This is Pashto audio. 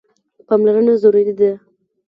پاملرنه ضروري ده.